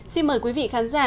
xin mời quý vị khán giả